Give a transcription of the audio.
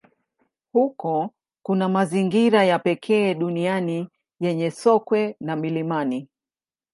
Huko kuna mazingira ya pekee duniani yenye sokwe wa milimani.